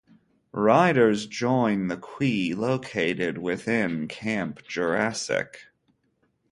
Riders join the queue located within Camp Jurassic.